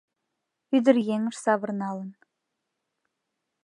Ӱдыръеҥыш савырналын